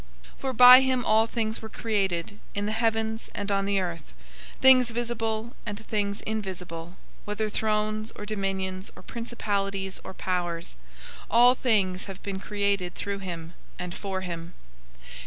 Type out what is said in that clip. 001:016 For by him all things were created, in the heavens and on the earth, things visible and things invisible, whether thrones or dominions or principalities or powers; all things have been created through him, and for him.